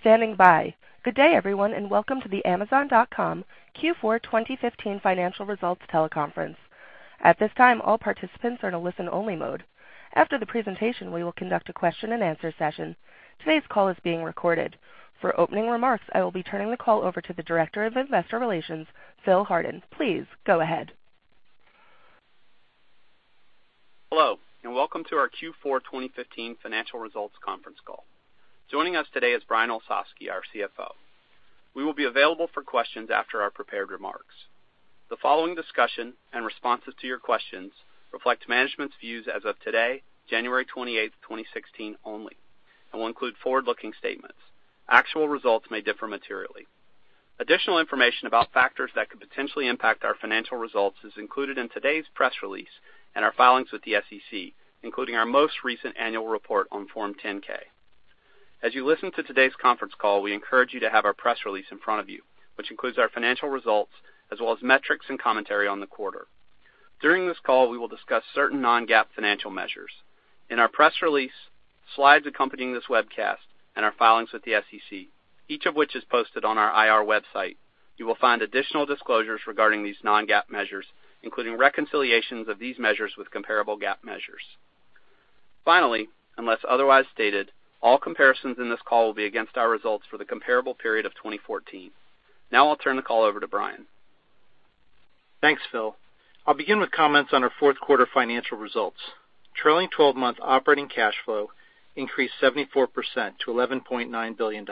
Standing by. Good day, everyone, welcome to the Amazon.com Q4 2015 financial results teleconference. At this time, all participants are in a listen-only mode. After the presentation, we will conduct a question and answer session. Today's call is being recorded. For opening remarks, I will be turning the call over to the Director of Investor Relations, Phil Hardin. Please go ahead. Hello, welcome to our Q4 2015 financial results conference call. Joining us today is Brian Olsavsky, our CFO. We will be available for questions after our prepared remarks. The following discussion and responses to your questions reflect management's views as of today, January 28th, 2016 only, and will include forward-looking statements. Actual results may differ materially. Additional information about factors that could potentially impact our financial results is included in today's press release and our filings with the SEC, including our most recent annual report on Form 10-K. As you listen to today's conference call, we encourage you to have our press release in front of you, which includes our financial results as well as metrics and commentary on the quarter. During this call, we will discuss certain non-GAAP financial measures. In our press release, slides accompanying this webcast, and our filings with the SEC, each of which is posted on our IR website, you will find additional disclosures regarding these non-GAAP measures, including reconciliations of these measures with comparable GAAP measures. Finally, unless otherwise stated, all comparisons in this call will be against our results for the comparable period of 2014. Now I'll turn the call over to Brian. Thanks, Phil. I'll begin with comments on our fourth quarter financial results. Trailing 12-month operating cash flow increased 74% to $11.9 billion.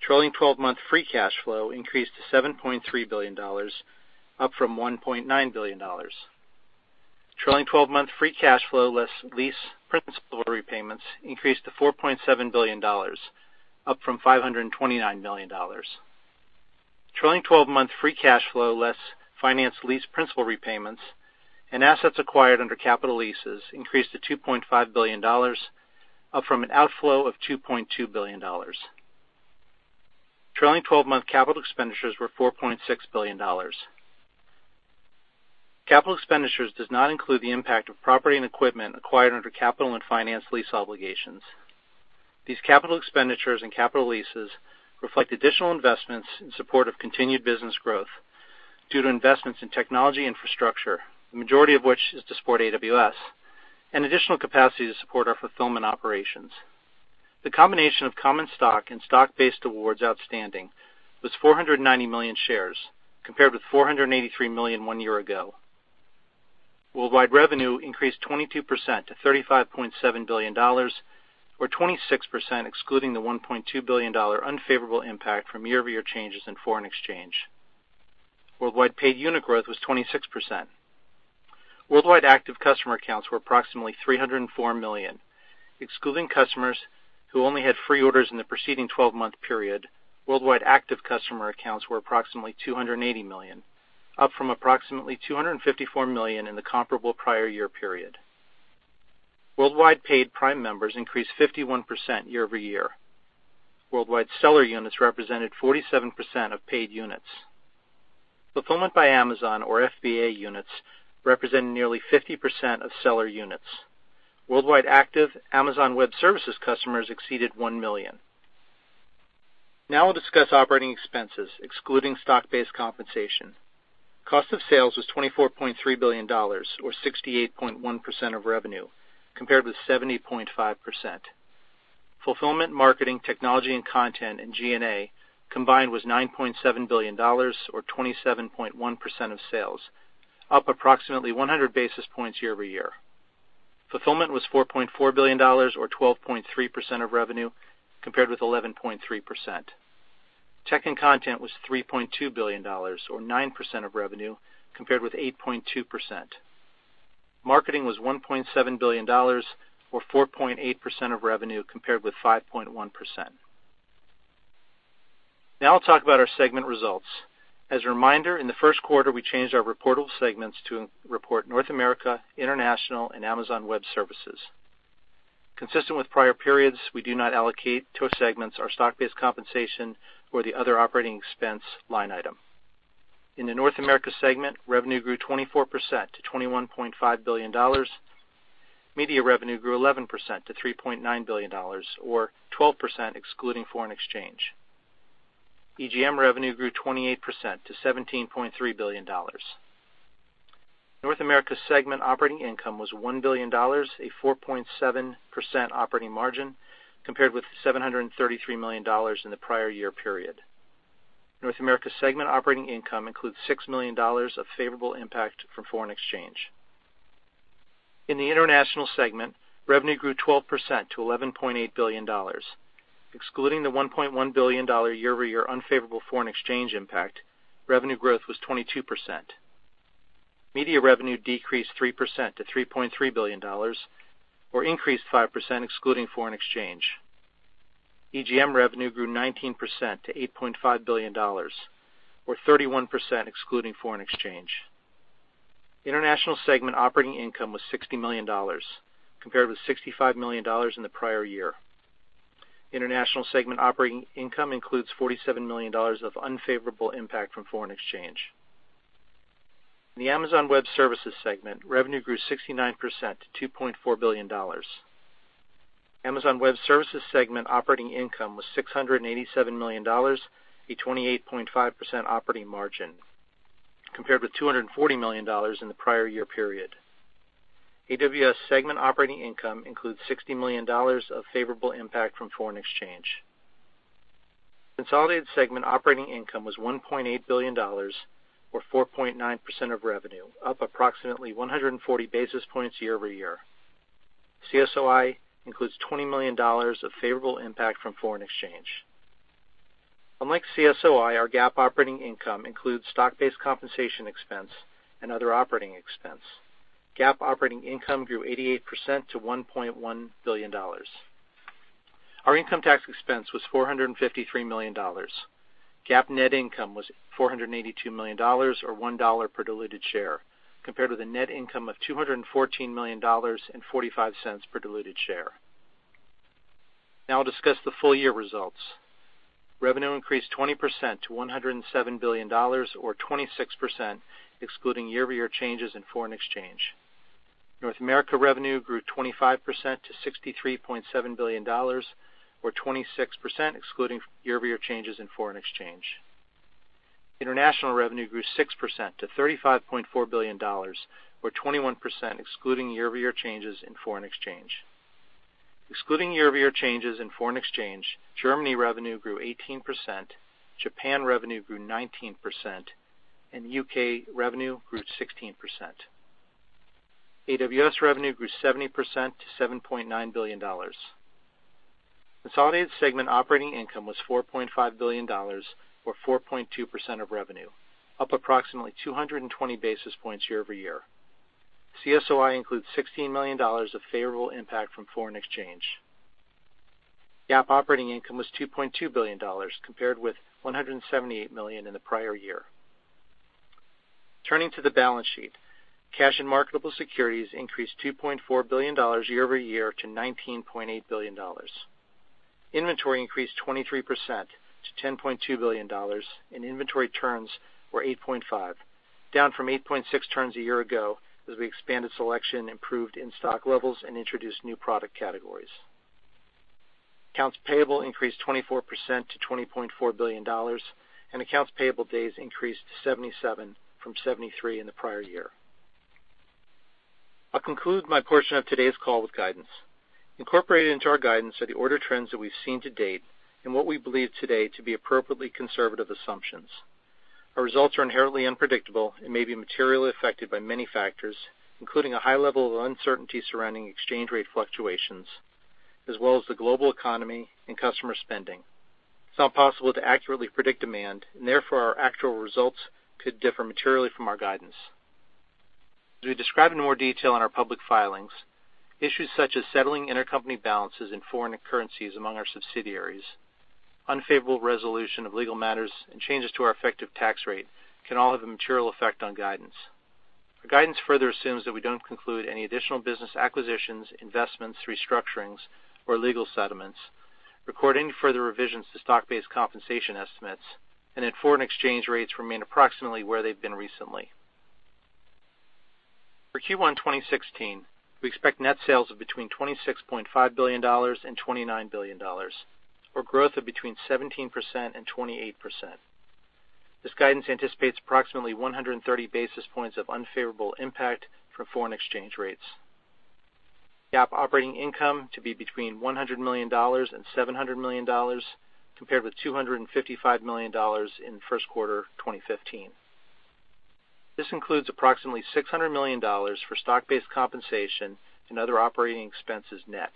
Trailing 12-month free cash flow increased to $7.3 billion, up from $1.9 billion. Trailing 12-month free cash flow, less lease principal repayments, increased to $4.7 billion, up from $529 million. Trailing 12-month free cash flow, less finance lease principal repayments and assets acquired under capital leases, increased to $2.5 billion, up from an outflow of $2.2 billion. Trailing 12-month capital expenditures were $4.6 billion. Capital expenditures does not include the impact of property and equipment acquired under capital and finance lease obligations. These capital expenditures and capital leases reflect additional investments in support of continued business growth due to investments in technology infrastructure, the majority of which is to support AWS, and additional capacity to support our fulfillment operations. The combination of common stock and stock-based awards outstanding was 490 million shares, compared with 483 million one year ago. Worldwide revenue increased 22% to $35.7 billion, or 26% excluding the $1.2 billion unfavorable impact from year-over-year changes in foreign exchange. Worldwide paid unit growth was 26%. Worldwide active customer accounts were approximately 304 million. Excluding customers who only had free orders in the preceding 12-month period, worldwide active customer accounts were approximately 280 million, up from approximately 254 million in the comparable prior year period. Worldwide paid Prime members increased 51% year-over-year. Worldwide seller units represented 47% of paid units. Fulfillment by Amazon, or FBA, units represented nearly 50% of seller units. Worldwide active Amazon Web Services customers exceeded 1 million. Now I'll discuss operating expenses, excluding stock-based compensation. Cost of sales was $24.3 billion, or 68.1% of revenue, compared with 70.5%. Fulfillment, marketing, technology and content, and G&A combined was $9.7 billion, or 27.1% of sales, up approximately 100 basis points year-over-year. Fulfillment was $4.4 billion, or 12.3% of revenue, compared with 11.3%. Tech and content was $3.2 billion, or 9% of revenue, compared with 8.2%. Marketing was $1.7 billion, or 4.8% of revenue, compared with 5.1%. Now I'll talk about our segment results. As a reminder, in the first quarter, we changed our reportable segments to report North America, International, and Amazon Web Services. Consistent with prior periods, we do not allocate to our segments our stock-based compensation or the other operating expense line item. In the North America segment, revenue grew 24% to $21.5 billion. Media revenue grew 11% to $3.9 billion, or 12% excluding foreign exchange. EGM revenue grew 28% to $17.3 billion. North America segment operating income was $1 billion, a 4.7% operating margin, compared with $733 million in the prior year period. North America segment operating income includes $6 million of favorable impact from foreign exchange. In the International segment, revenue grew 12% to $11.8 billion. Excluding the $1.1 billion year-over-year unfavorable foreign exchange impact, revenue growth was 22%. Media revenue decreased 3% to $3.3 billion, or increased 5% excluding foreign exchange. EGM revenue grew 19% to $8.5 billion, or 31% excluding foreign exchange. International segment operating income was $60 million, compared with $65 million in the prior year. International segment operating income includes $47 million of unfavorable impact from foreign exchange. In the Amazon Web Services segment, revenue grew 69% to $2.4 billion. Amazon Web Services segment operating income was $687 million, a 28.5% operating margin, compared with $240 million in the prior year period. AWS segment operating income includes $60 million of favorable impact from foreign exchange. Consolidated segment operating income was $1.8 billion, or 4.9% of revenue, up approximately 140 basis points year-over-year. CSOI includes $20 million of favorable impact from foreign exchange. Unlike CSOI, our GAAP operating income includes stock-based compensation expense and other operating expense. GAAP operating income grew 88% to $1.1 billion. Our income tax expense was $453 million. GAAP net income was $482 million, or $1 per diluted share, compared with a net income of $214 million and $0.45 per diluted share. Now I'll discuss the full year results. Revenue increased 20% to $107 billion, or 26%, excluding year-over-year changes in foreign exchange. North America revenue grew 25% to $63.7 billion, or 26%, excluding year-over-year changes in foreign exchange. International revenue grew 6% to $35.4 billion, or 21%, excluding year-over-year changes in foreign exchange. Excluding year-over-year changes in foreign exchange, Germany revenue grew 18%, Japan revenue grew 19%, and U.K. revenue grew 16%. AWS revenue grew 70% to $7.9 billion. Consolidated segment operating income was $4.5 billion, or 4.2% of revenue, up approximately 220 basis points year-over-year. CSOI includes $16 million of favorable impact from foreign exchange. GAAP operating income was $2.2 billion, compared with $178 million in the prior year. Turning to the balance sheet, cash and marketable securities increased $2.4 billion year-over-year to $19.8 billion. Inventory increased 23% to $10.2 billion, and inventory turns were 8.5, down from 8.6 turns a year ago as we expanded selection, improved in-stock levels, and introduced new product categories. Accounts payable increased 24% to $20.4 billion, and accounts payable days increased to 77 from 73 in the prior year. I'll conclude my portion of today's call with guidance. Incorporated into our guidance are the order trends that we've seen to date and what we believe today to be appropriately conservative assumptions. Our results are inherently unpredictable and may be materially affected by many factors, including a high level of uncertainty surrounding exchange rate fluctuations as well as the global economy and customer spending. It's not possible to accurately predict demand, and therefore, our actual results could differ materially from our guidance. As we describe in more detail in our public filings, issues such as settling intercompany balances in foreign currencies among our subsidiaries, unfavorable resolution of legal matters, and changes to our effective tax rate can all have a material effect on guidance. Our guidance further assumes that we don't conclude any additional business acquisitions, investments, restructurings, or legal settlements, record any further revisions to stock-based compensation estimates, and that foreign exchange rates remain approximately where they've been recently. For Q1 2016, we expect net sales of between $26.5 billion and $29 billion, or growth of between 17% and 28%. This guidance anticipates approximately 130 basis points of unfavorable impact from foreign exchange rates. GAAP operating income to be between $100 million and $700 million, compared with $255 million in first quarter 2015. This includes approximately $600 million for stock-based compensation and other operating expenses net.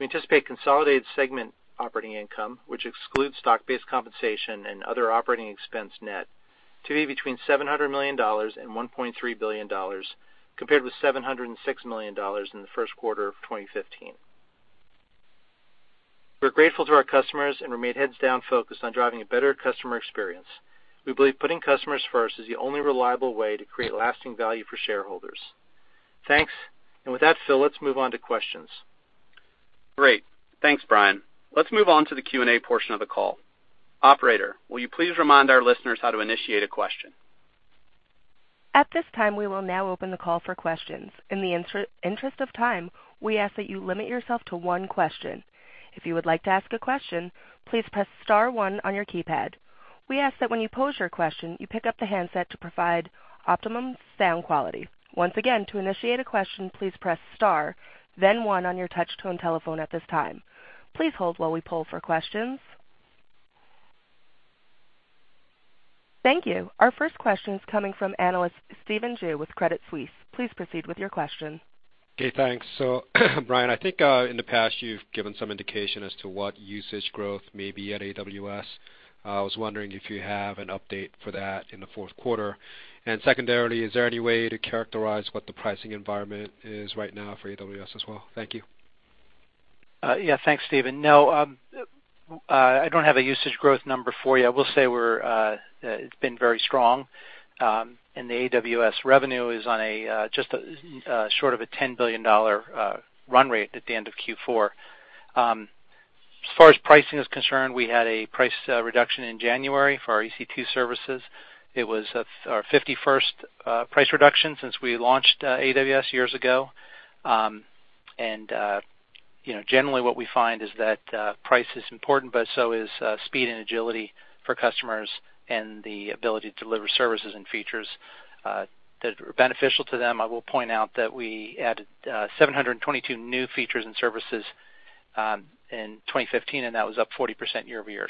We anticipate consolidated segment operating income, which excludes stock-based compensation and other operating expense net, to be between $700 million and $1.3 billion, compared with $706 million in the first quarter of 2015. We're grateful to our customers and remain heads down focused on driving a better customer experience. We believe putting customers first is the only reliable way to create lasting value for shareholders. Thanks. With that, Phil, let's move on to questions. Great. Thanks, Brian. Let's move on to the Q&A portion of the call. Operator, will you please remind our listeners how to initiate a question? At this time, we will now open the call for questions. In the interest of time, we ask that you limit yourself to one question. If you would like to ask a question, please press *1 on your keypad. We ask that when you pose your question, you pick up the handset to provide optimum sound quality. Once again, to initiate a question, please press star, then 1 on your touch-tone telephone at this time. Please hold while we poll for questions. Thank you. Our first question is coming from analyst Stephen Ju with Credit Suisse. Please proceed with your question. Okay, thanks. Brian, I think in the past you've given some indication as to what usage growth may be at AWS. I was wondering if you have an update for that in the fourth quarter. Secondarily, is there any way to characterize what the pricing environment is right now for AWS as well? Thank you. Yeah, thanks, Stephen. No, I don't have a usage growth number for you. The AWS revenue is on a just short of a $10 billion run rate at the end of Q4. As far as pricing is concerned, we had a price reduction in January for our EC2 services. It was our 51st price reduction since we launched AWS years ago. Generally what we find is that price is important, but so is speed and agility for customers and the ability to deliver services and features that are beneficial to them. I will point out that we added 722 new features and services in 2015, and that was up 40% year-over-year.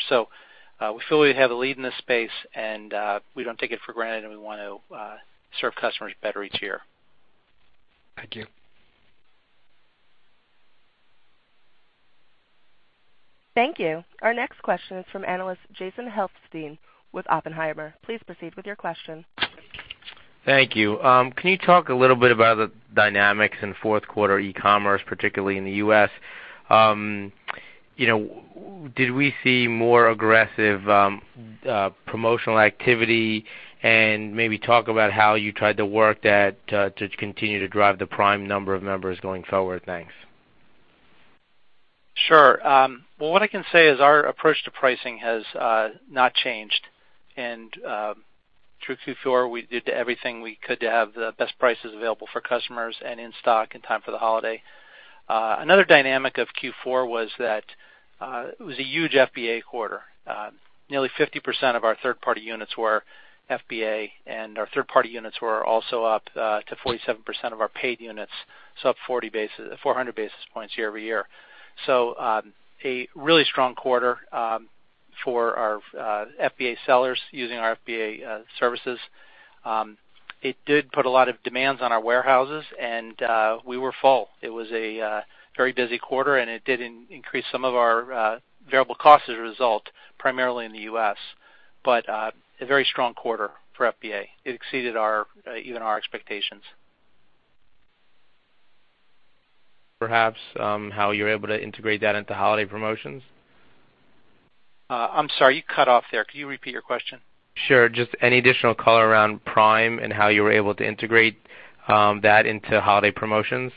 We feel we have a lead in this space, and we don't take it for granted, and we want to serve customers better each year. Thank you. Thank you. Our next question is from analyst Jason Helfstein with Oppenheimer & Co. Inc. Please proceed with your question. Thank you. Can you talk a little bit about the dynamics in fourth quarter e-commerce, particularly in the U.S.? Did we see more aggressive promotional activity? Maybe talk about how you tried to work that to continue to drive the Prime number of members going forward. Thanks. Sure. Well, what I can say is our approach to pricing has not changed. Through Q4, we did everything we could to have the best prices available for customers and in stock in time for the holiday. Another dynamic of Q4 was that it was a huge FBA quarter. Nearly 50% of our third-party units were FBA, and our third-party units were also up to 47% of our paid units. Up 400 basis points year-over-year. A really strong quarter for our FBA sellers using our FBA services. It did put a lot of demands on our warehouses, and we were full. It was a very busy quarter, and it did increase some of our variable costs as a result, primarily in the U.S., but a very strong quarter for FBA. It exceeded even our expectations. Perhaps how you're able to integrate that into holiday promotions? I'm sorry, you cut off there. Can you repeat your question? Sure. Just any additional color around Prime and how you were able to integrate that into holiday promotions?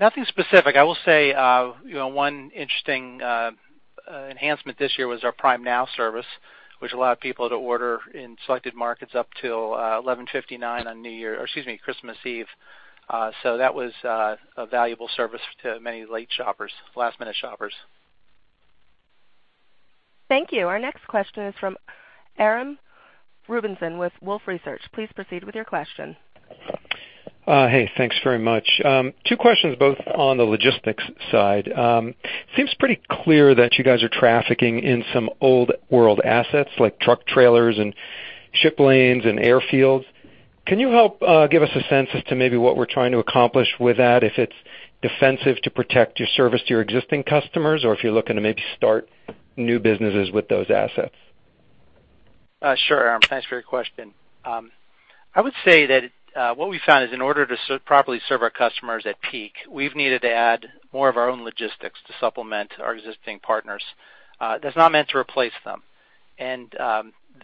Nothing specific. I will say one interesting enhancement this year was our Prime Now service, which allowed people to order in selected markets up till 11:59 P.M. on New Year, excuse me, Christmas Eve. That was a valuable service to many late shoppers, last-minute shoppers. Thank you. Our next question is from Aram Rubinson with Wolfe Research. Please proceed with your question. Hey, thanks very much. Two questions, both on the logistics side. Seems pretty clear that you guys are trafficking in some old world assets, like truck trailers and ship lanes and airfields. Can you help give us a sense as to maybe what we're trying to accomplish with that, if it's defensive to protect your service to your existing customers, or if you're looking to maybe start new businesses with those assets? Sure, Aram. Thanks for your question. I would say that what we found is in order to properly serve our customers at peak, we've needed to add more of our own logistics to supplement our existing partners. That's not meant to replace them.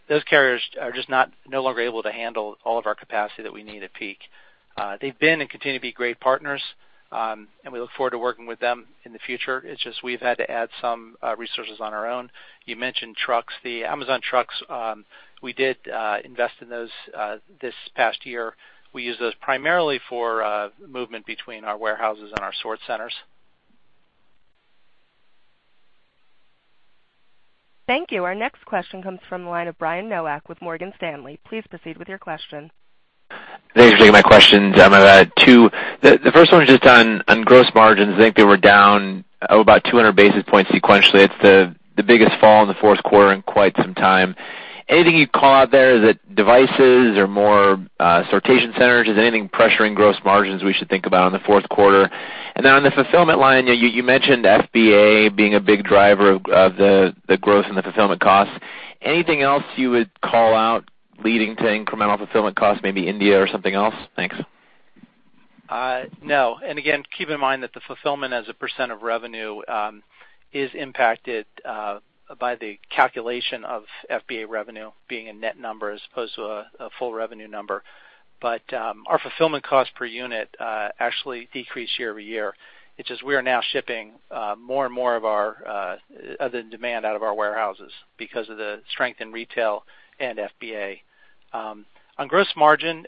Those carriers are just no longer able to handle all of our capacity that we need at peak. They've been and continue to be great partners, and we look forward to working with them in the future. It's just we've had to add some resources on our own. You mentioned trucks. The Amazon trucks, we did invest in those this past year. We use those primarily for movement between our warehouses and our sort centers. Thank you. Our next question comes from the line of Brian Nowak with Morgan Stanley. Please proceed with your question. Thanks for taking my questions. I'm going to add two. The first one is just on gross margins. I think they were down about 200 basis points sequentially. It's the biggest fall in the fourth quarter in quite some time. Anything you'd call out there? Is it devices or more sortation centers? Is anything pressuring gross margins we should think about in the fourth quarter? On the fulfillment line, you mentioned FBA being a big driver of the growth in the fulfillment costs. Anything else you would call out leading to incremental fulfillment costs, maybe India or something else? Thanks. No. Again, keep in mind that the fulfillment as a % of revenue is impacted by the calculation of FBA revenue being a net number as opposed to a full revenue number. Our fulfillment cost per unit actually decreased year-over-year. It's just we are now shipping more and more of the demand out of our warehouses because of the strength in retail and FBA. On gross margin,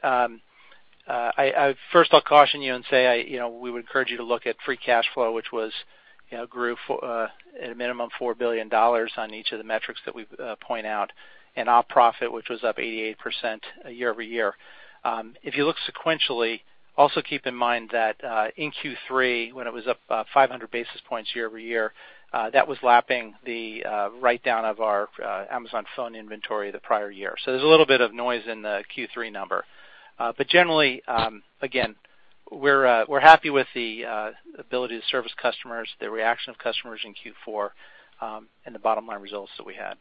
first I'll caution you and say we would encourage you to look at free cash flow, which grew at a minimum $4 billion on each of the metrics that we point out, and op profit, which was up 88% year-over-year. If you look sequentially, also keep in mind that in Q3, when it was up 500 basis points year-over-year, that was lapping the write-down of our Amazon phone inventory the prior year. There's a little bit of noise in the Q3 number. Generally, again, we're happy with the ability to service customers, the reaction of customers in Q4, and the bottom-line results that we had.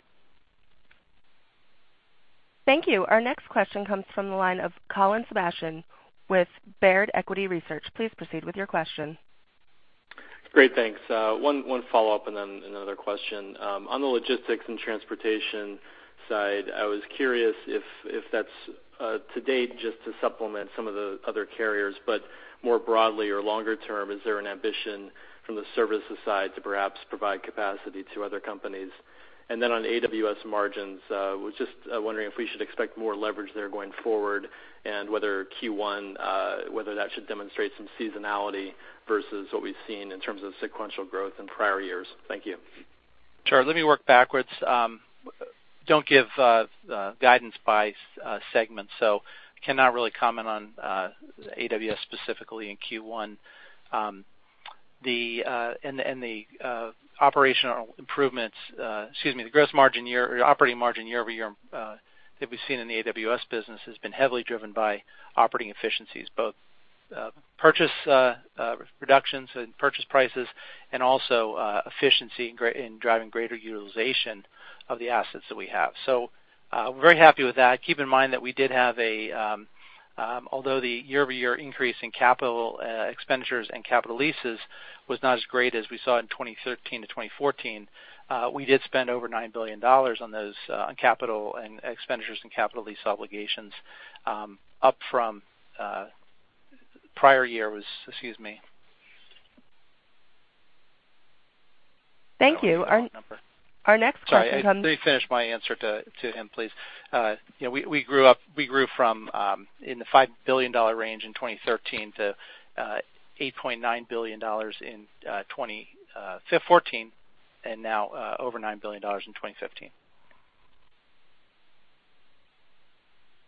Thank you. Our next question comes from the line of Colin Sebastian with Baird Equity Research. Please proceed with your question. Great. Thanks. One follow-up and then another question. On the logistics and transportation side, I was curious if that's to date, just to supplement some of the other carriers, but more broadly or longer term, is there an ambition from the services side to perhaps provide capacity to other companies? On AWS margins, I was just wondering if we should expect more leverage there going forward and whether Q1, whether that should demonstrate some seasonality versus what we've seen in terms of sequential growth in prior years. Thank you. Sure. Let me work backwards. Don't give guidance by segment, so I cannot really comment on AWS specifically in Q1. The operational improvements, excuse me, the operating margin year-over-year that we've seen in the AWS business has been heavily driven by operating efficiencies, both purchase reductions and purchase prices, and also efficiency in driving greater utilization of the assets that we have. We're very happy with that. Keep in mind that although the year-over-year increase in capital expenditures and capital leases was not as great as we saw in 2013 to 2014, we did spend over $9 billion on capital and expenditures and capital lease obligations up from prior year was, excuse me. Thank you. Our next question comes- Sorry, let me finish my answer to him, please. We grew from in the $5 billion range in 2013 to $8.9 billion in 2014, and now over $9 billion in 2015.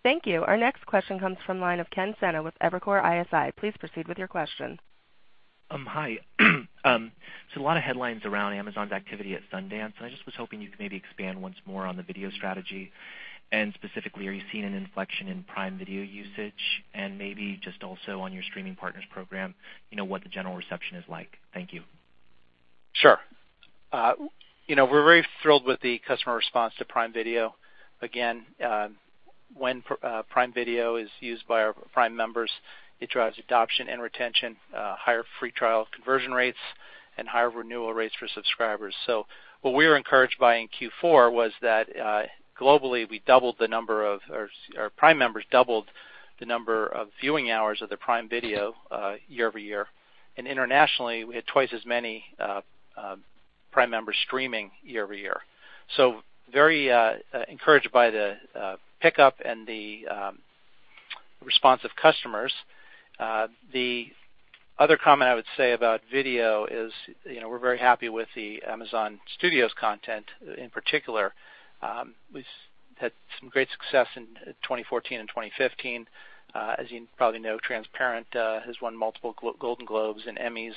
Thank you. Our next question comes from the line of Ken Sena with Evercore ISI. Please proceed with your question. Hi. A lot of headlines around Amazon's activity at Sundance, I just was hoping you could maybe expand once more on the video strategy. Specifically, are you seeing an inflection in Prime Video usage? Maybe just also on your Streaming Partners Program, what the general reception is like? Thank you. Sure. We're very thrilled with the customer response to Prime Video. Again, when Prime Video is used by our Prime members, it drives adoption and retention, higher free trial conversion rates, and higher renewal rates for subscribers. What we were encouraged by in Q4 was that globally, our Prime members doubled the number of viewing hours of their Prime Video year-over-year, internationally, we had twice as many Prime members streaming year-over-year. Very encouraged by the pickup and the response of customers. The other comment I would say about video is we're very happy with the Amazon Studios content in particular. We've had some great success in 2014 and 2015. As you probably know, "Transparent" has won multiple Golden Globes and Emmys,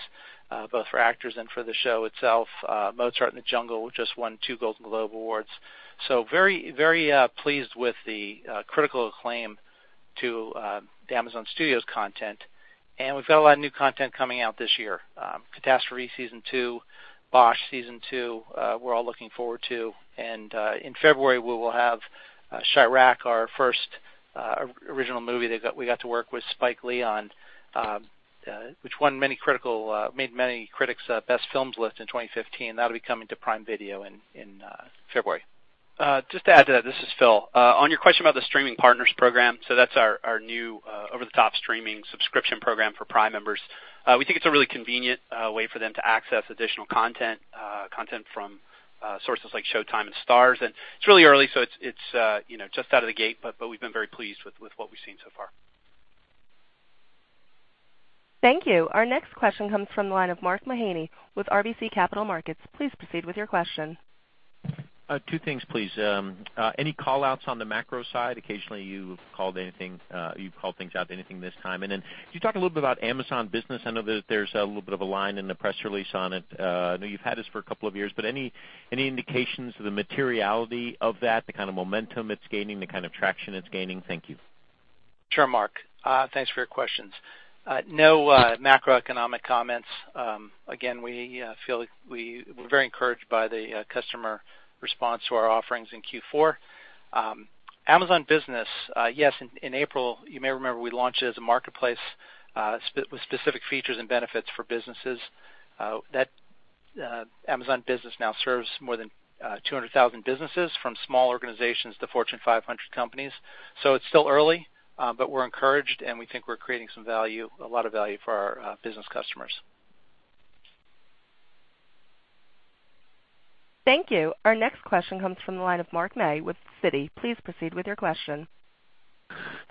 both for actors and for the show itself. "Mozart in the Jungle" just won two Golden Globe awards. Very pleased with the critical acclaim to the Amazon Studios content. We've got a lot of new content coming out this year. "Catastrophe" season 2, "Bosch" season 2, we're all looking forward to. In February, we will have "Chi-Raq," our first original movie that we got to work with Spike Lee on, which made many critics' best films list in 2015. That'll be coming to Prime Video in February. Just to add to that, this is Phil. On your question about the Streaming Partners Program, that's our new over-the-top streaming subscription program for Prime members. We think it's a really convenient way for them to access additional content from sources like Showtime and Starz. It's really early, it's just out of the gate, but we've been very pleased with what we've seen so far. Thank you. Our next question comes from the line of Mark Mahaney with RBC Capital Markets. Please proceed with your question. Two things, please. Any call-outs on the macro side? Occasionally, you've called things out, anything this time? Can you talk a little bit about Amazon Business? I know that there's a little bit of a line in the press release on it. I know you've had this for a couple of years, but any indications of the materiality of that, the kind of momentum it's gaining, the kind of traction it's gaining? Thank you. Sure, Mark. Thanks for your questions. No macroeconomic comments. Again, we feel we're very encouraged by the customer response to our offerings in Q4. Amazon Business, yes, in April, you may remember we launched it as a marketplace with specific features and benefits for businesses. That Amazon Business now serves more than 200,000 businesses from small organizations to Fortune 500 companies. It's still early, but we're encouraged, we think we're creating some value, a lot of value for our business customers. Thank you. Our next question comes from the line of Mark May with Citi. Please proceed with your question.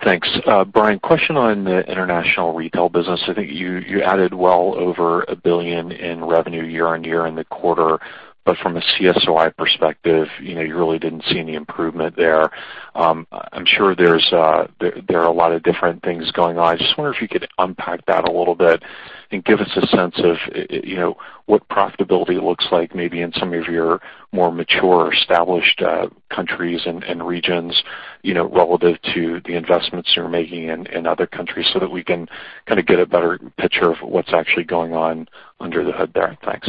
Thanks. Brian, question on the international retail business. I think you added well over $1 billion in revenue year-over-year in the quarter. From a CSOI perspective, you really didn't see any improvement there. I'm sure there are a lot of different things going on. I just wonder if you could unpack that a little bit and give us a sense of what profitability looks like maybe in some of your more mature, established countries and regions relative to the investments you're making in other countries so that we can kind of get a better picture of what's actually going on under the hood there. Thanks.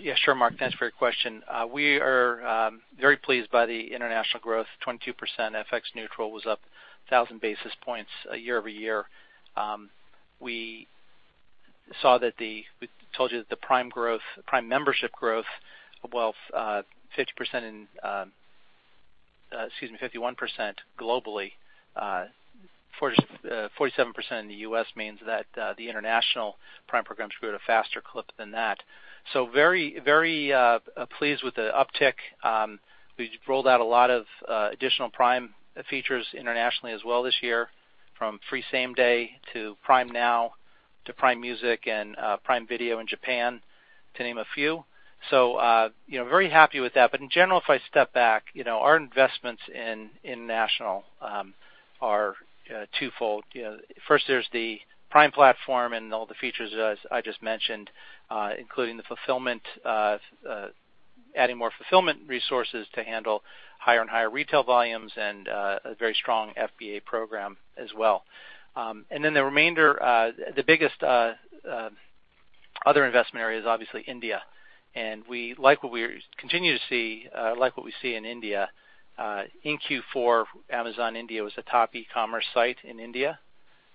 Yes, sure, Mark. Thanks for your question. We are very pleased by the international growth, 22% FX neutral was up 1,000 basis points year-over-year. We told you that the Prime membership growth of well 51% globally, 47% in the U.S. means that the international Prime programs grew at a faster clip than that. Very pleased with the uptick. We've rolled out a lot of additional Prime features internationally as well this year, from free same day to Prime Now, to Prime Music and Prime Video in Japan, to name a few. Very happy with that. In general, if I step back, our investments in international are twofold. First, there's the Prime platform and all the features, as I just mentioned including adding more fulfillment resources to handle higher and higher retail volumes and a very strong FBA program as well. The biggest other investment area is obviously India. We like what we continue to see in India. In Q4, Amazon India was a top e-commerce site in India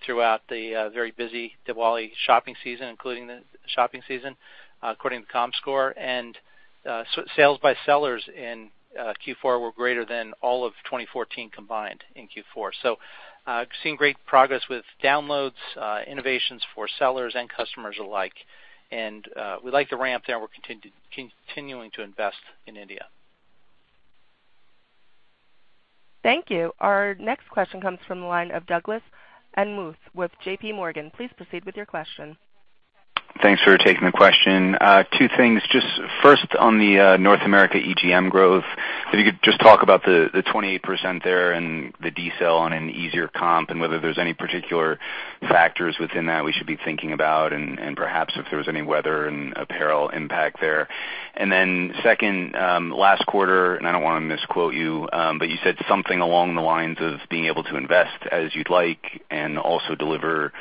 throughout the very busy Diwali shopping season, including the shopping season, according to Comscore. Sales by sellers in Q4 were greater than all of 2014 combined in Q4. Seeing great progress with downloads, innovations for sellers and customers alike. We like to ramp there, and we're continuing to invest in India. Thank you. Our next question comes from the line of Douglas Anmuth with J.P. Morgan. Please proceed with your question. Thanks for taking the question. Two things. First on the North America EGM growth, if you could just talk about the 28% there and the decel on an easier comp, and whether there's any particular factors within that we should be thinking about, and perhaps if there was any weather and apparel impact there. Second, last quarter, and I don't want to misquote you, but you said something along the lines of being able to invest as you'd like and also deliver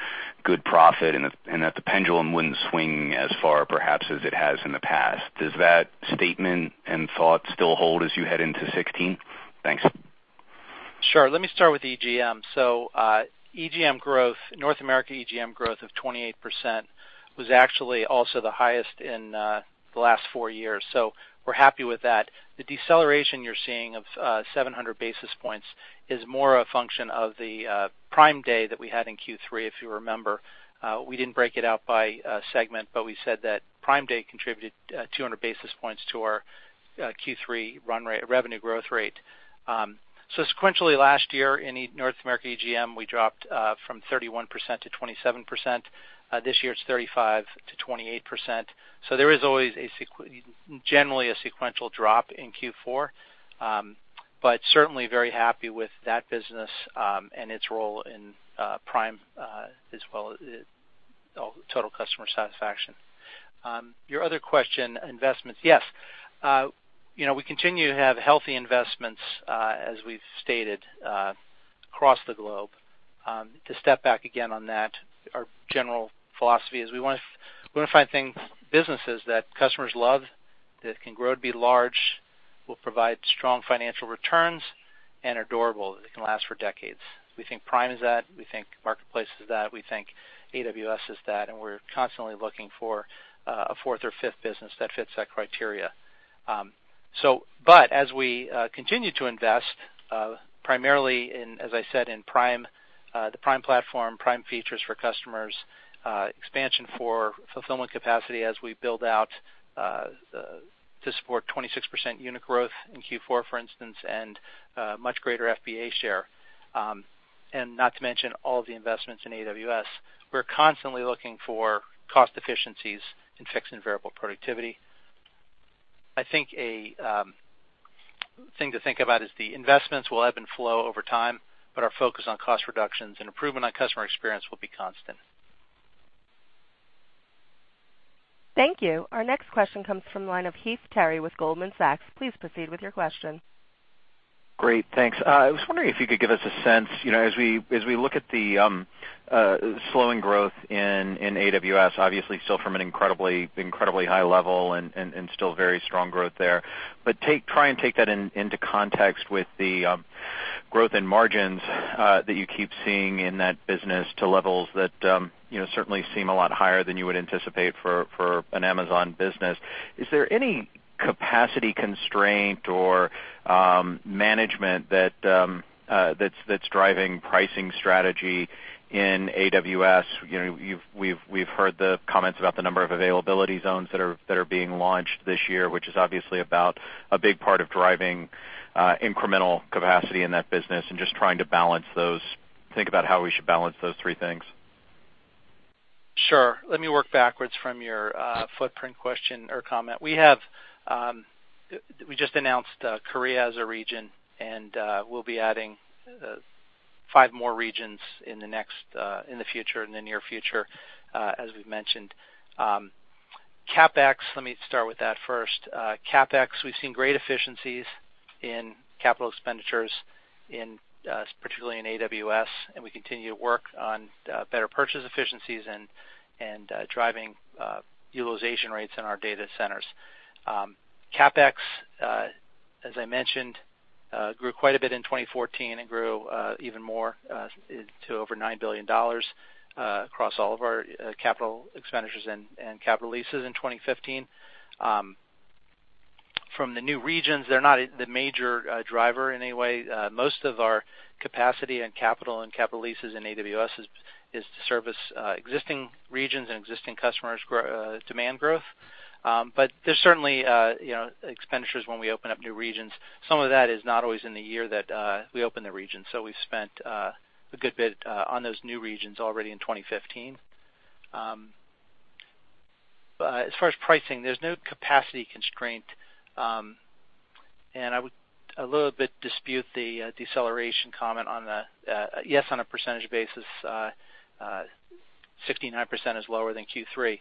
good profit, and that the pendulum wouldn't swing as far perhaps as it has in the past. Does that statement and thought still hold as you head into 2016? Thanks. Sure. Let me start with EGM. North America EGM growth of 28% was actually also the highest in the last four years. We're happy with that. The deceleration you're seeing of 700 basis points is more a function of the Prime Day that we had in Q3, if you remember. We didn't break it out by segment, but we said that Prime Day contributed 200 basis points to our Q3 revenue growth rate. Sequentially last year in North America EGM, we dropped from 31% to 27%. This year it's 35% to 28%. There is always generally a sequential drop in Q4. Certainly very happy with that business, and its role in Prime as well as total customer satisfaction. Your other question, investments. Yes. We continue to have healthy investments, as we've stated, across the globe. To step back again on that, our general philosophy is we want to find businesses that customers love, that can grow to be large, will provide strong financial returns, and are durable, that can last for decades. We think Prime is that, we think Marketplace is that, we think AWS is that, and we're constantly looking for a fourth or fifth business that fits that criteria. As we continue to invest primarily in, as I said, in the Prime platform, Prime features for customers, expansion for fulfillment capacity as we build out to support 26% unit growth in Q4, for instance, and much greater FBA share. Not to mention all the investments in AWS. We're constantly looking for cost efficiencies in fixed and variable productivity. I think a thing to think about is the investments will ebb and flow over time, but our focus on cost reductions and improvement on customer experience will be constant. Thank you. Our next question comes from the line of Heath Terry with Goldman Sachs. Please proceed with your question. Great, thanks. I was wondering if you could give us a sense, as we look at the slowing growth in AWS, obviously still from an incredibly high level and still very strong growth there, but try and take that into context with the growth in margins that you keep seeing in that business to levels that certainly seem a lot higher than you would anticipate for an Amazon business. Is there any capacity constraint or management that's driving pricing strategy in AWS? We've heard the comments about the number of availability zones that are being launched this year, which is obviously about a big part of driving incremental capacity in that business and just trying to think about how we should balance those three things. Sure. Let me work backwards from your footprint question or comment. We just announced Korea as a region, and we'll be adding five more regions in the near future, as we've mentioned. CapEx, let me start with that first. CapEx, we've seen great efficiencies in capital expenditures, particularly in AWS, and we continue to work on better purchase efficiencies and driving utilization rates in our data centers. CapEx, as I mentioned, grew quite a bit in 2014 and grew even more to over $9 billion across all of our capital expenditures and capital leases in 2015. From the new regions, they're not the major driver in any way. Most of our capacity and capital and capital leases in AWS is to service existing regions and existing customers' demand growth. There's certainly expenditures when we open up new regions. Some of that is not always in the year that we open the region. We've spent a good bit on those new regions already in 2015. As far as pricing, there's no capacity constraint, and I would a little bit dispute the deceleration comment on the. Yes, on a percentage basis, 69% is lower than Q3.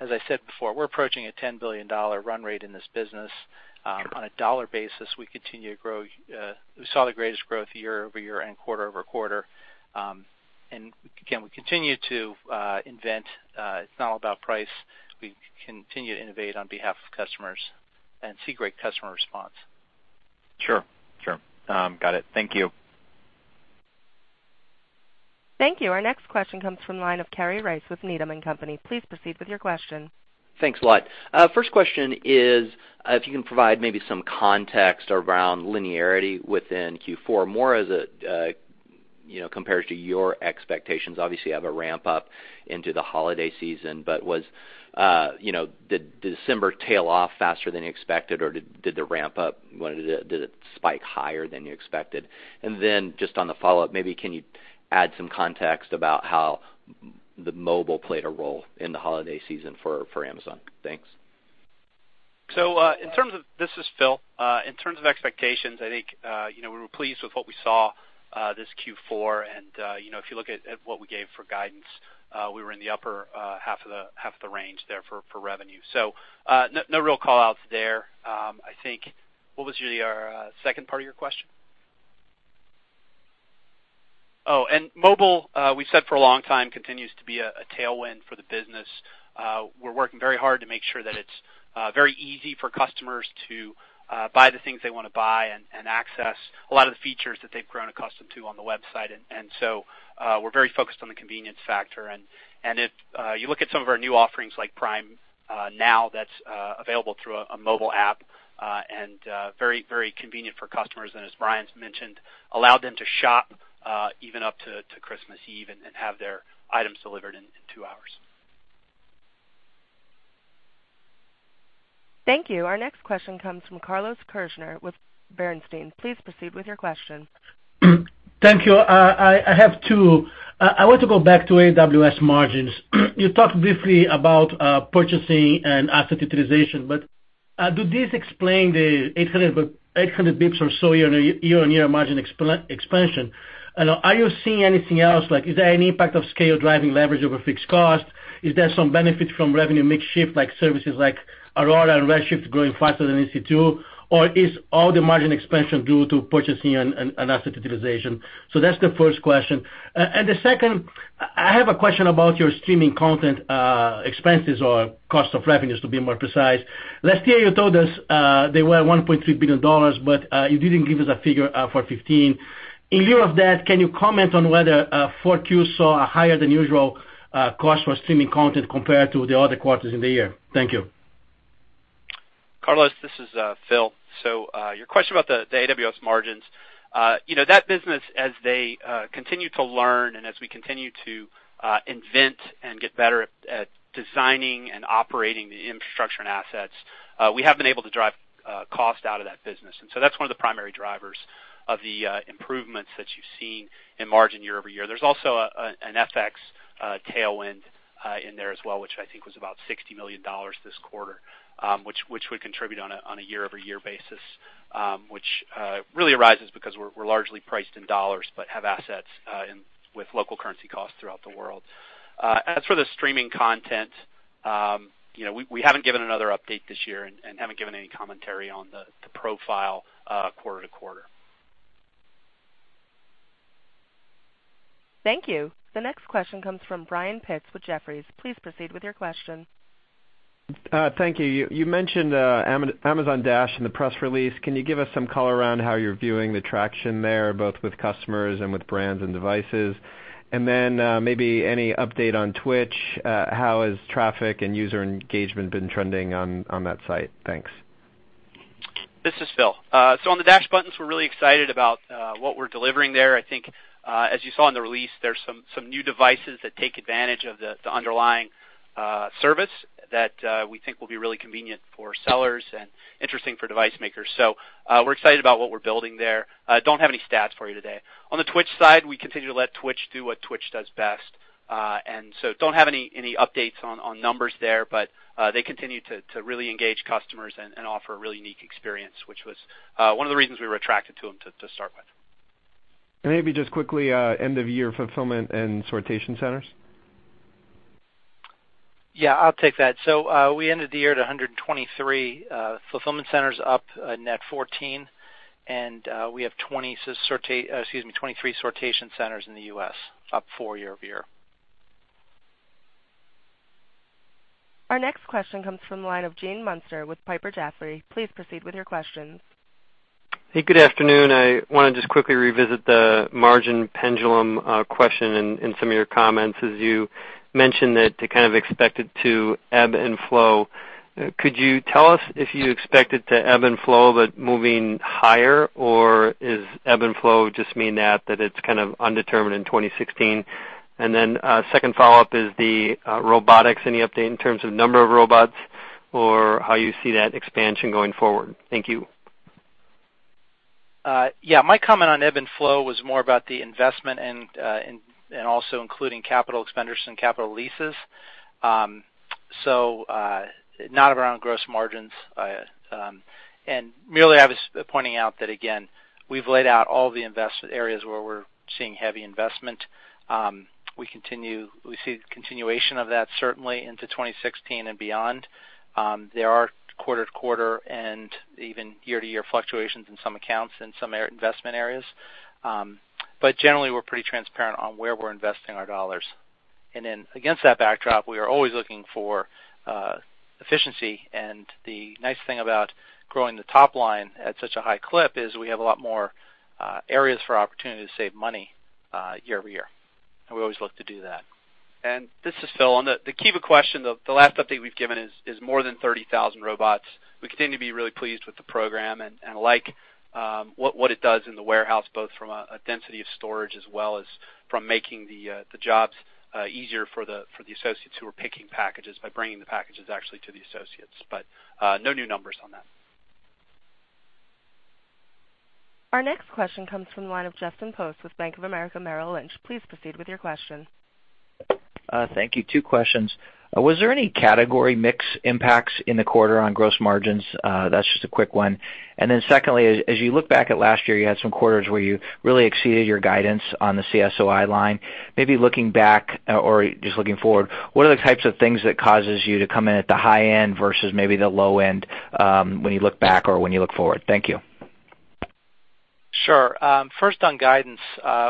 As I said before, we're approaching a $10 billion run rate in this business. On a dollar basis, we continue to grow. We saw the greatest growth year-over-year and quarter-over-quarter. Again, we continue to invent. It's not all about price. We continue to innovate on behalf of customers and see great customer response. Sure. Got it. Thank you. Thank you. Our next question comes from the line of Kerry Rice with Needham & Company. Please proceed with your question. Thanks a lot. First question is if you can provide maybe some context around linearity within Q4, more as it compares to your expectations. Obviously, you have a ramp-up into the holiday season, but did December tail off faster than you expected, or did the ramp-up spike higher than you expected? Just on the follow-up, maybe can you add some context about how the mobile played a role in the holiday season for Amazon? Thanks. This is Phil. In terms of expectations, I think we were pleased with what we saw this Q4. If you look at what we gave for guidance, we were in the upper half of the range there for revenue. No real call-outs there. What was the second part of your question? Mobile, we've said for a long time, continues to be a tailwind for the business. We're working very hard to make sure that it's very easy for customers to buy the things they want to buy and access a lot of the features that they've grown accustomed to on the website. We're very focused on the convenience factor, and if you look at some of our new offerings like Prime Now that's available through a mobile app and very convenient for customers and as Brian's mentioned, allowed them to shop even up to Christmas Eve and have their items delivered in two hours. Thank you. Our next question comes from Carlos Kirjner with Bernstein. Please proceed with your question. Thank you. I have two. I want to go back to AWS margins. You talked briefly about purchasing and asset utilization, but do these explain the 800 basis points or so year-over-year margin expansion? Are you seeing anything else, like is there any impact of scale driving leverage over fixed cost? Is there some benefit from revenue mix shift like services like Aurora and Redshift growing faster than EC2, or is all the margin expansion due to purchasing and asset utilization? That's the first question. The second, I have a question about your streaming content expenses or cost of revenues, to be more precise. Last year, you told us they were $1.3 billion, but you didn't give us a figure for 2015. In lieu of that, can you comment on whether 4Q saw a higher-than-usual cost for streaming content compared to the other quarters in the year? Thank you. Carlos, this is Phil. Your question about the AWS margins. That business, as they continue to learn and as we continue to invent and get better at designing and operating the infrastructure and assets, we have been able to drive cost out of that business. That's one of the primary drivers of the improvements that you've seen in margin year-over-year. There's also an FX tailwind in there as well, which I think was about $60 million this quarter, which would contribute on a year-over-year basis which really arises because we're largely priced in dollars but have assets with local currency costs throughout the world. As for the streaming content, we haven't given another update this year and haven't given any commentary on the profile quarter-to-quarter. Thank you. The next question comes from Brian Pitz with Jefferies. Please proceed with your question. Thank you. You mentioned Amazon Dash in the press release. Can you give us some color around how you're viewing the traction there, both with customers and with brands and devices? Maybe any update on Twitch. How has traffic and user engagement been trending on that site? Thanks. This is Phil. On the Dash buttons, we're really excited about what we're delivering there. I think as you saw in the release, there's some new devices that take advantage of the underlying service that we think will be really convenient for sellers and interesting for device makers. We're excited about what we're building there. Don't have any stats for you today. On the Twitch side, we continue to let Twitch do what Twitch does best. Don't have any updates on numbers there, but they continue to really engage customers and offer a really unique experience, which was one of the reasons we were attracted to them to start with. Maybe just quickly end-of-year fulfillment and sortation centers. Yeah, I'll take that. We ended the year at 123 fulfillment centers, up a net 14, and we have 23 sortation centers in the U.S., up four year-over-year. Our next question comes from the line of Gene Munster with Piper Jaffray. Please proceed with your questions. Hey, good afternoon. I want to just quickly revisit the margin pendulum question and some of your comments, as you mentioned that to kind of expect it to ebb and flow. Could you tell us if you expect it to ebb and flow, but moving higher, or is ebb and flow just mean that it's kind of undetermined in 2016? Second follow-up is the robotics. Any update in terms of number of robots or how you see that expansion going forward? Thank you. Yeah. My comment on ebb and flow was more about the investment and also including capital expenditures and capital leases. Not around gross margins. Really, I was pointing out that, again, we've laid out all the investment areas where we're seeing heavy investment. We see the continuation of that certainly into 2016 and beyond. There are quarter-to-quarter and even year-to-year fluctuations in some accounts in some investment areas. Generally, we're pretty transparent on where we're investing our dollars. Against that backdrop, we are always looking for efficiency, and the nice thing about growing the top line at such a high clip is we have a lot more areas for opportunity to save money year-over-year. We always look to do that. This is Phil. On the Kiva question, the last update we've given is more than 30,000 robots. We continue to be really pleased with the program and like what it does in the warehouse, both from a density of storage as well as from making the jobs easier for the associates who are picking packages by bringing the packages actually to the associates. No new numbers on that. Our next question comes from the line of Justin Post with Bank of America Merrill Lynch. Please proceed with your question. Thank you. Two questions. Was there any category mix impacts in the quarter on gross margins? That's just a quick one. Secondly, as you look back at last year, you had some quarters where you really exceeded your guidance on the CSOI line. Maybe looking back or just looking forward, what are the types of things that causes you to come in at the high end versus maybe the low end, when you look back or when you look forward? Thank you. Sure. First, on guidance.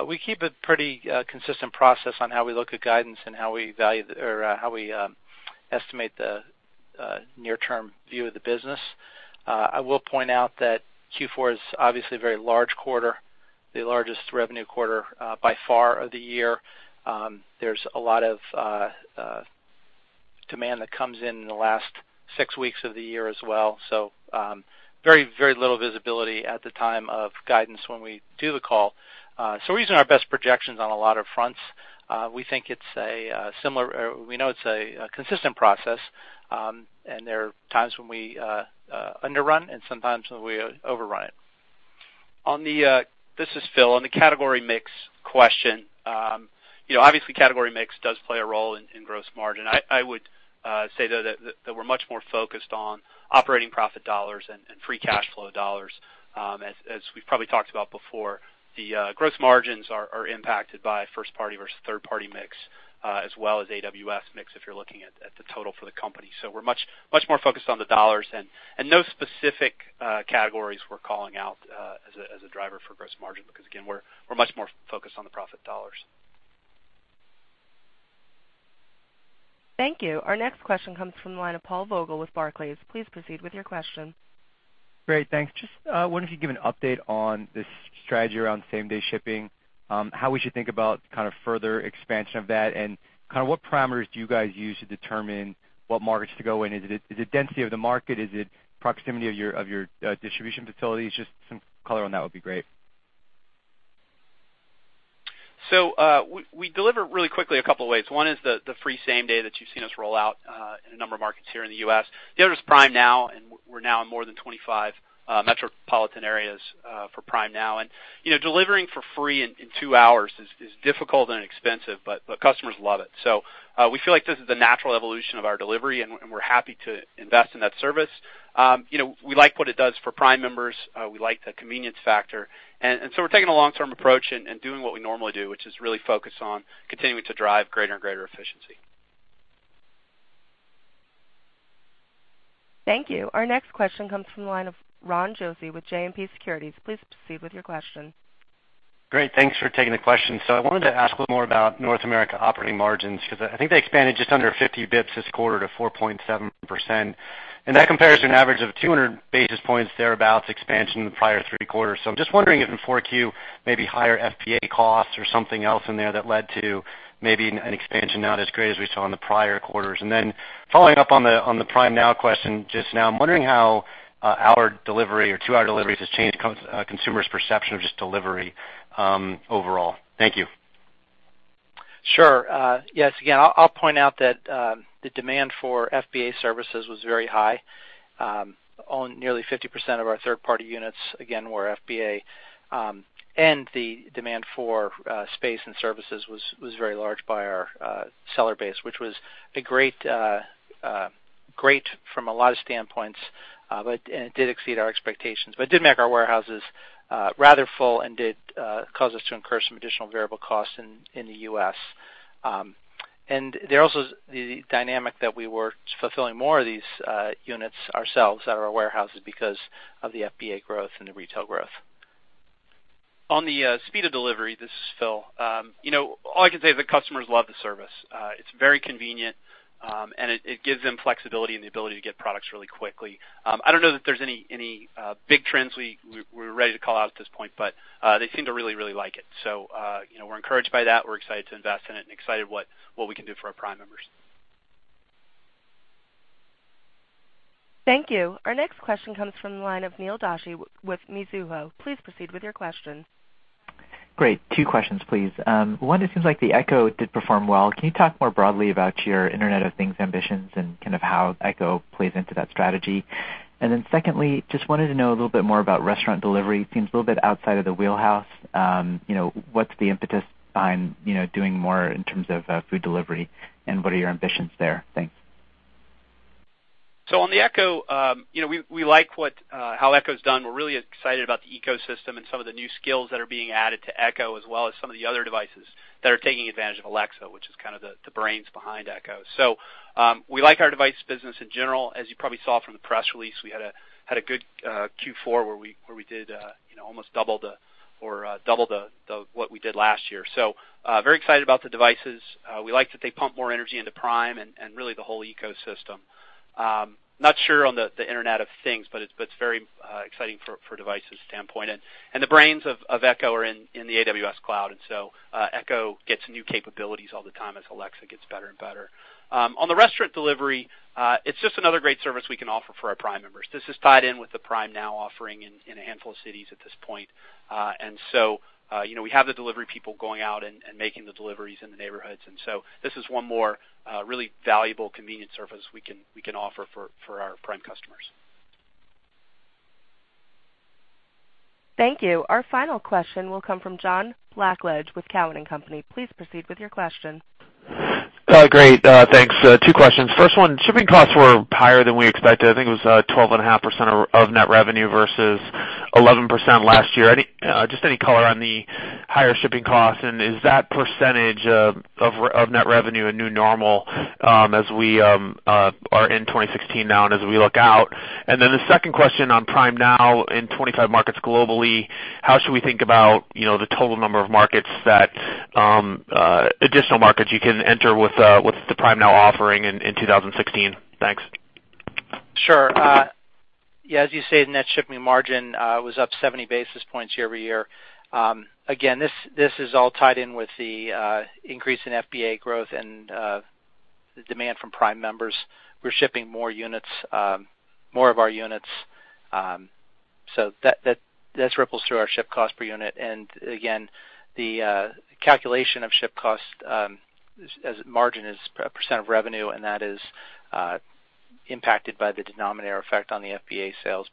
We keep a pretty consistent process on how we look at guidance and how we estimate the near-term view of the business. I will point out that Q4 is obviously a very large quarter, the largest revenue quarter by far of the year. There's a lot of demand that comes in the last six weeks of the year as well. Very little visibility at the time of guidance when we do the call. We're using our best projections on a lot of fronts. We know it's a consistent process, there are times when we underrun and some times when we overrun it. This is Phil, on the category mix question. Obviously, category mix does play a role in gross margin. I would say, though, that we're much more focused on operating profit dollars and free cash flow dollars. As we've probably talked about before, the gross margins are impacted by first-party versus third-party mix, as well as AWS mix if you're looking at the total for the company. We're much more focused on the dollars, no specific categories we're calling out as a driver for gross margin, because again, we're much more focused on the profit dollars. Thank you. Our next question comes from the line of Paul Vogel with Barclays. Please proceed with your question. Great. Thanks. Just wondering if you could give an update on the strategy around same-day shipping, how we should think about further expansion of that, and what parameters do you guys use to determine what markets to go in? Is it density of the market? Is it proximity of your distribution facilities? Just some color on that would be great. We deliver really quickly a couple of ways. One is the free same-day that you've seen us roll out in a number of markets here in the U.S. The other is Prime Now, we're now in more than 25 metropolitan areas for Prime Now. Delivering for free in two hours is difficult and expensive, but customers love it. We feel like this is the natural evolution of our delivery, and we're happy to invest in that service. We like what it does for Prime members. We like the convenience factor, we're taking a long-term approach and doing what we normally do, which is really focus on continuing to drive greater and greater efficiency. Thank you. Our next question comes from the line of Ronald Josey with JMP Securities. Please proceed with your question. Great. Thanks for taking the question. I wanted to ask a little more about North America operating margins, because I think they expanded just under 50 basis points this quarter to 4.7%. That compares to an average of 200 basis points thereabout expansion in the prior three quarters. I'm just wondering if in 4Q maybe higher FBA costs or something else in there that led to maybe an expansion not as great as we saw in the prior quarters. Following up on the Prime Now question just now, I'm wondering how hour delivery or two-hour delivery has changed consumers' perception of just delivery overall. Thank you. Sure. Yes, again, I'll point out that the demand for FBA services was very high. Nearly 50% of our third-party units, again, were FBA, and the demand for space and services was very large by our seller base, which was great from a lot of standpoints, and it did exceed our expectations, but it did make our warehouses rather full and did cause us to incur some additional variable costs in the U.S. There also is the dynamic that we were fulfilling more of these units ourselves out of our warehouses because of the FBA growth and the retail growth. On the speed of delivery, this is Phil. All I can say is the customers love the service. It's very convenient, it gives them flexibility and the ability to get products really quickly. I don't know that there's any big trends we're ready to call out at this point, but they seem to really like it. We're encouraged by that. We're excited to invest in it and excited what we can do for our Prime members. Thank you. Our next question comes from the line of Neil Doshi with Mizuho. Please proceed with your question. Great. Two questions, please. One, it seems like the Echo did perform well. Can you talk more broadly about your Internet of Things ambitions and how Echo plays into that strategy? Secondly, just wanted to know a little bit more about restaurant delivery. It seems a little bit outside of the wheelhouse. What's the impetus behind doing more in terms of food delivery, and what are your ambitions there? Thanks. On the Echo, we like how Echo's done. We're really excited about the ecosystem and some of the new skills that are being added to Echo, as well as some of the other devices that are taking advantage of Alexa, which is kind of the brains behind Echo. We like our device business in general. As you probably saw from the press release, we had a good Q4 where we did almost double what we did last year. Very excited about the devices. We like that they pump more energy into Prime and really the whole ecosystem. Not sure on the Internet of Things, but it's very exciting for a devices standpoint. The brains of Echo are in the AWS cloud, and Echo gets new capabilities all the time as Alexa gets better and better. On the restaurant delivery, it's just another great service we can offer for our Prime members. This is tied in with the Prime Now offering in a handful of cities at this point. We have the delivery people going out and making the deliveries in the neighborhoods, and this is one more really valuable convenience service we can offer for our Prime customers. Thank you. Our final question will come from John Blackledge with Cowen and Company. Please proceed with your question. Great, thanks. Two questions. First one, shipping costs were higher than we expected. I think it was 12.5% of net revenue versus 11% last year. Just any color on the higher shipping costs, and is that percentage of net revenue a new normal as we are in 2016 now and as we look out? The second question on Prime Now in 25 markets globally, how should we think about the additional markets you can enter with the Prime Now offering in 2016? Thanks. Sure. Yeah, as you say, the net shipping margin was up 70 basis points year-over-year. Again, this is all tied in with the increase in FBA growth and the demand from Prime members. We're shipping more of our units, so that ripples through our ship cost per unit. Again, the calculation of ship cost as a margin is a % of revenue, and that is impacted by the denominator effect on the FBA sales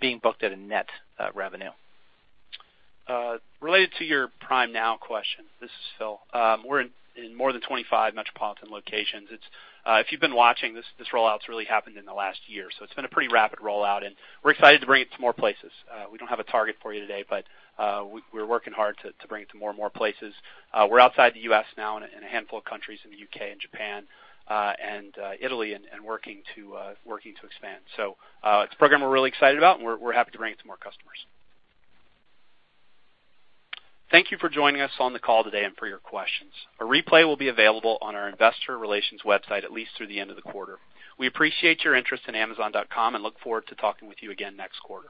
being booked at a net revenue. Related to your Prime Now question, this is Phil. We're in more than 25 metropolitan locations. If you've been watching, this rollout's really happened in the last year, so it's been a pretty rapid rollout, and we're excited to bring it to more places. We don't have a target for you today, but we're working hard to bring it to more and more places. We're outside the U.S. now in a handful of countries, in the U.K. and Japan and Italy, and working to expand. It's a program we're really excited about, and we're happy to bring it to more customers. Thank you for joining us on the call today and for your questions. A replay will be available on our investor relations website at least through the end of the quarter. We appreciate your interest in amazon.com and look forward to talking with you again next quarter.